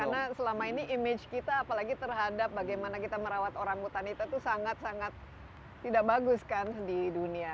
karena selama ini image kita apalagi terhadap bagaimana kita merawat orang hutan itu sangat sangat tidak bagus kan di dunia